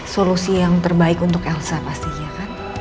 solusi yang terbaik untuk elsa pasti iya kan